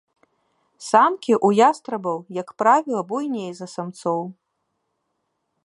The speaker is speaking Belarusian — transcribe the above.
Самкі ў ястрабаў, як правіла, буйней за самцоў.